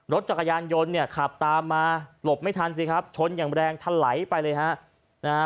รถจักรยานยนต์เนี่ยขับตามมาหลบไม่ทันสิครับชนอย่างแรงทะไหลไปเลยฮะนะฮะ